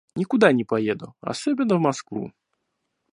Никуда не поеду, особенно в Москву.